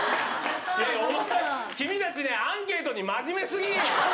いや、君たちね、アンケートに真面目すぎ！